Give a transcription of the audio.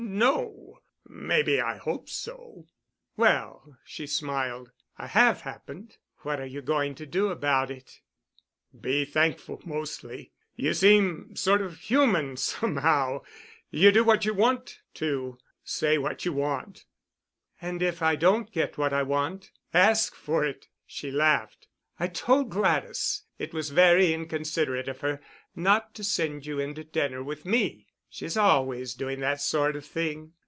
"Er—no. Maybe I hoped so." "Well," she smiled, "I have happened. What are you going to do about it?" "Be thankful—mostly. You seem sort of human, somehow. You do what you want to—say what you want——" "And if I don't get what I want, ask for it," she laughed. "I told Gladys it was very inconsiderate of her not to send you in to dinner with me. She's always doing that sort of thing.